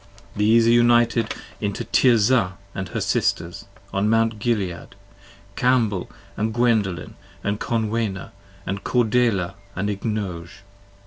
2 40 These are united into Tirzah and her Sisters, on Mount Gilead, Cambel & Gwendolen & Conwenna & Cordelia & Ignoge.